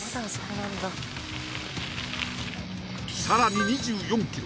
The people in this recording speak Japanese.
さらに２４ｋｍ